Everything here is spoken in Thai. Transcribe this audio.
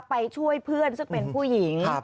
ไปช่วยเพื่อนซึ่งเป็นผู้หญิง